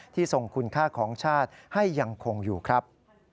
ทรงคุณค่าของชาติให้ยังคงอยู่ครับ